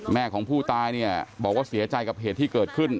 แม่ของผู้ตายเนี่ยบอกว่าเสียใจกับเหตุที่เกิดขึ้น